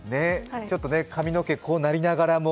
ちょっと髪の毛こうなりながらも